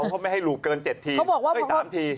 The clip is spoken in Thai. เขาไม่ให้ลูบเกิน๗ทีเคยตามที